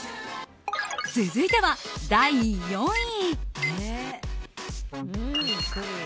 続いては第４位。